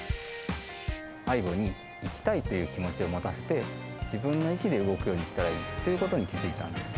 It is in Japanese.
ＡＩＢＯに生きたいという気持ちを持たせて、自分の意思で動くようにしたらいいということに気付いたんです。